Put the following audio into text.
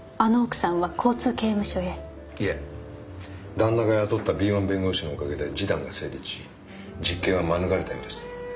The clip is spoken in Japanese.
旦那が雇った敏腕弁護士のお陰で示談が成立し実刑は免れたようです。